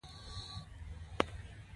کروندګر د ژوند ښه کولو لپاره هڅه کوي